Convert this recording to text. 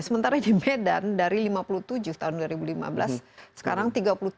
sementara di medan dari lima puluh tujuh tahun dua ribu lima belas sekarang tiga puluh tujuh